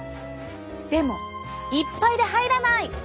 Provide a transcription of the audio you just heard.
でもいっぱいで入らない！